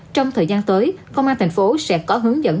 trong thời gian tới công an thành phố sẽ có hướng dẫn